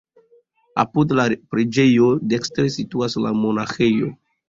Apud la preĝejo dekstre situas la monaĥejo.